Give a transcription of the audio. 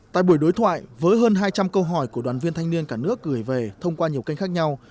tại buổi đối thoại với hơn hai trăm linh câu hỏi của đoàn viên thanh niên cả nước gửi về thông qua nhiều kênh khác nhau